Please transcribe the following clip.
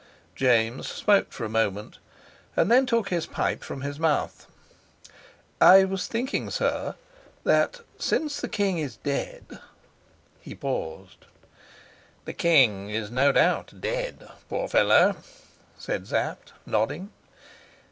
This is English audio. James smoked for a moment, and then took his pipe from his mouth. "I was thinking, sir, that since the king is dead " He paused. "The king is no doubt dead, poor fellow," said Sapt, nodding.